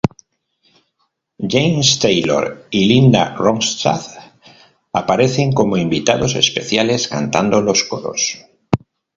James Taylor y Linda Ronstadt aparecen como invitados especiales cantando los coros.